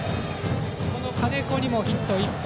金子にもヒットは１本。